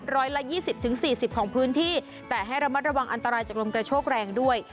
ร้อยละยี่สิบถึงสี่สิบของพื้นที่แต่ให้ระมัดระวังอันตรายจากลมกระโชกแรงด้วย